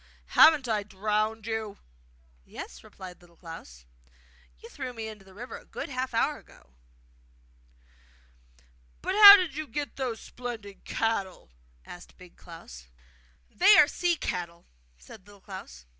'Haven't I drowned you?' 'Yes,' replied Little Klaus; 'you threw me into the river a good half hour ago!' 'But how did you get those splendid cattle?' asked Big Klaus. 'They are sea cattle!' said Little Klaus.